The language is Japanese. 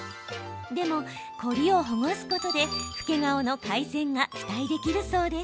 でも、凝りをほぐすことで老け顔の改善が期待できるそうです。